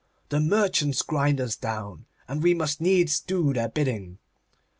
The merchants grind us down, and we must needs do their bidding.